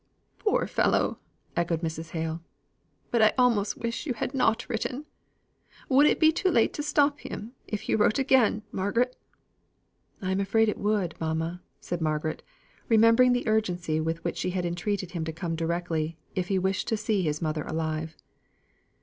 "Poor fellow!" echoed Mrs. Hale. "But I almost wish you had not written. Would it be too late to stop him if you wrote again, Margaret?" "I'm afraid it would, mamma," said Margaret, remembering the urgency with which she had entreated him to come directly, if he wished to see his mother alive.